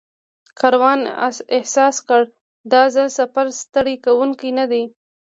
کاروان احساس کړ دا ځل سفر ستړی کوونکی نه دی.